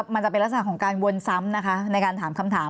มันจะเป็นลักษณะของการวนซ้ำนะคะในการถามคำถาม